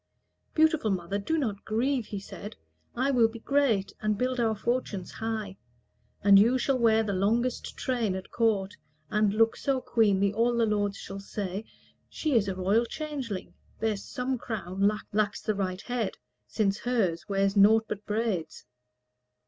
"Beautiful mother, do not grieve," he said; "I will be great, and build our fortunes high. And you shall wear the longest train at court, And look so queenly, all the lords shall say, 'She is a royal changeling: there is some crown Lacks the right head, since hers wears naught but braids.'"